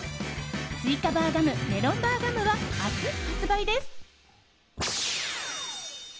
スイカバーガムメロンバーガムは明日発売です。